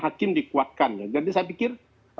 hakim dikuatkan ya jadi saya pikir